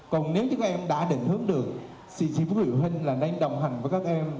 còn nếu các em đã định hướng được thì phụ huynh là nên đồng hành với các em